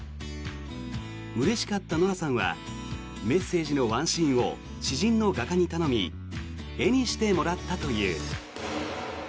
うれしかったノラさんはメッセージのワンシーンを知人の画家に頼み絵にしてもらったという。